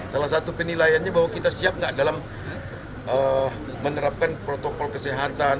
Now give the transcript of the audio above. salah satu penilaiannya bahwa kita siap nggak dalam menerapkan protokol kesehatan